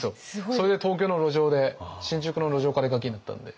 それで東京の路上で新宿の路上から絵描きになったんで。